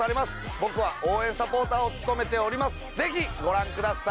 僕は応援サポーターを務めております。